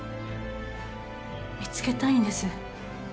見つけたいんです。